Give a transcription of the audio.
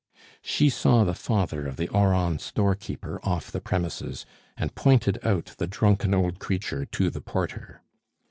She saw the father of the Oran storekeeper off the premises, and pointed out the drunken old creature to the porter.